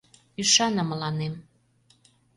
Ӱшане мыланем.